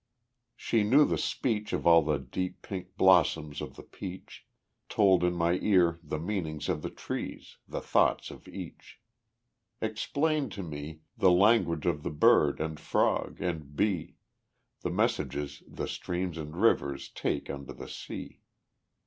She knew the speech Of all the deep pink blossoms of the peach, Told in my ear the meanings of the trees, The thoughts of each; Explained to me The language of the bird and frog and bee, The messages the streams and rivers take Unto the sea.